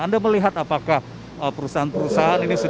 anda melihat apakah perusahaan perusahaan ini sudah